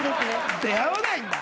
出会わないんだ。